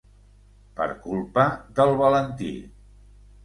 Per culpa del Valentí.